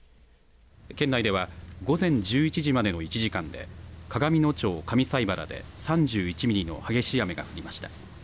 県内では午前１１時までの１時間で鏡野町上齋原で３１ミリの激しい雨が降りました。